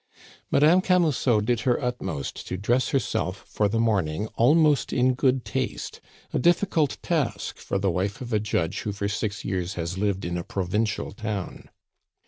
Madame Camusot did her utmost to dress herself for the morning almost in good taste a difficult task for the wife of a judge who for six years has lived in a provincial town.